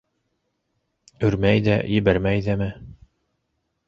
Өрмәй ҙә, ебәрмәй ҙәме?!